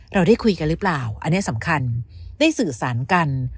เราได้คุยกันหรือเปล่าอันนี้สำคัญได้สื่อสารกัน